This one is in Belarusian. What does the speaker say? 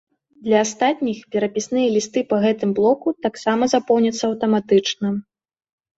Для астатніх перапісныя лісты па гэтым блоку таксама запоўняцца аўтаматычна.